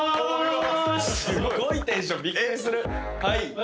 はい。